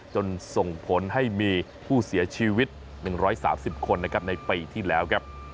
จนส่งผลให้มีผู้เสียชีวิต๑๓๐คนในปีที่แล้ว